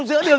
đi mấy ông